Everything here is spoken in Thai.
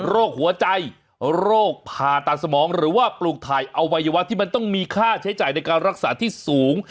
โรคหัวใจโรคผ่าตัดสมองหรือว่าปลูกถ่ายอวัยวะที่มันต้องมีค่าใช้จ่ายในการรักษาที่สูง